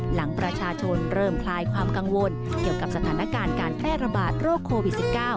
หลังประชาชนเริ่มคลายความกังวลเกี่ยวกับสถานการณ์การแพร่ระบาดโรคโควิด๑๙